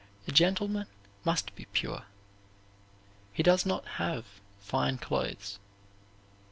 A gentleman must be pure. He need not have fine clothes.